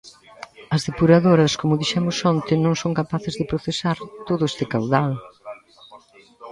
As depuradores, como dixemos onte, non son capaces de procesar todo este caudal.